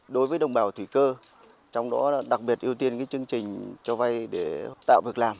đối với đồng bào thủy cơ trong đó đặc biệt ưu tiên chương trình cho vay để tạo việc làm